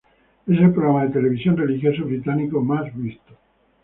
Es el programa de televisión religioso británico más visto.